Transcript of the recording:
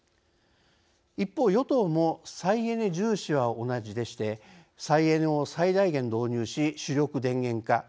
一方、与党も再エネ重視は同じでして「再エネを最大限導入し主力電源化」